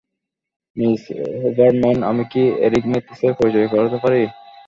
Miss Hubermann, আমি কি Eric ম্যাথিসের পরিচয় করাতে পারি?